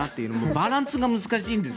バランスが難しいんです。